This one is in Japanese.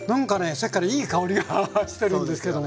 さっきからいい香りがしてるんですけども。